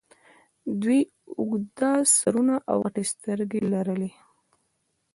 دوی اوږده سرونه او غټې سترګې لرلې